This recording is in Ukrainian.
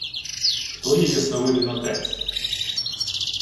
— Хто є Ясновидин отець?